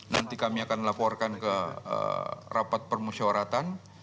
nanti kami akan laporkan ke rapat permusyawaratan